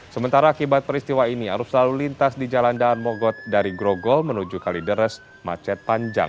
sementara akibat peristiwa ini arus lalu lintas di jalan daan mogot dari grogol menuju kalideres macet panjang